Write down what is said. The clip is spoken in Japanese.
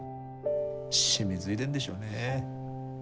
染みついでんでしょうね。